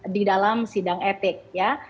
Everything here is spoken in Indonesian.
di dalam sidang etik ya